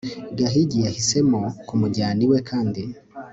gahigi yahisemo kumujyana iwe kandi